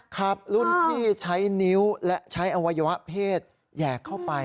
ครับรุ่นพี่ใช้นิ้วและใช้อวัยวะเพศแหยกเข้าไป